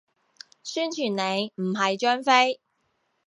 宣傳你，唔係張飛